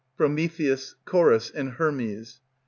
PROMETHEUS, CHORUS, and HERMES.